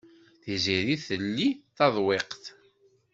Tiziri telli taḍwiqt.